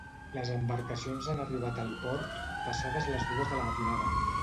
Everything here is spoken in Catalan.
Les embarcacions han arribat al port passades les dues de la matinada.